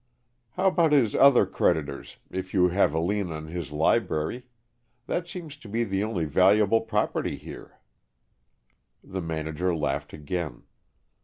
"How about his other creditors, if you have a lien on his library? That seems to be the only valuable property here." The manager laughed again.